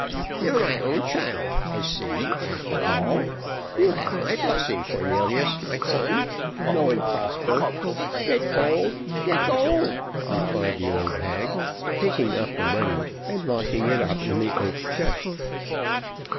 "You're my own child, I see, after all; you have my blessing, Cornelius, my son go and prosper. Get gold get gold," replied the old hag, taking up the money, and locking it up in the oak chest.